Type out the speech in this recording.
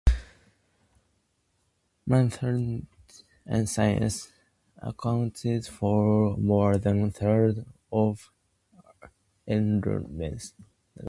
Mathematics and Sciences account for more than a third of enrolments.